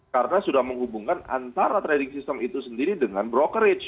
karena sudah menghubungkan antara trading system itu sendiri dengan brokerage